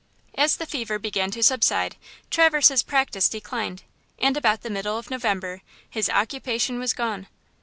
As the fever began to subside, Traverse's practice declined, and about the middle of November his "occupation was gone."